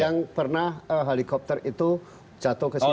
yang pernah helikopter itu jatuh ke situ